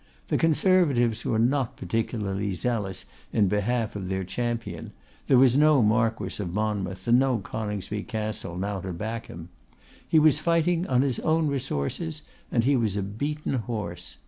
The Conservatives were not particularly zealous in behalf of their champion; there was no Marquess of Monmouth and no Coningsby Castle now to back him; he was fighting on his own resources, and he was a beaten horse.